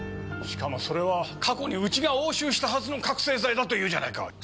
しかもそれは過去にうちが押収したはずの覚せい剤だというじゃないか。